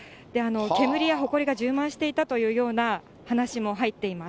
煙やほこりが充満していたというような話も入っています。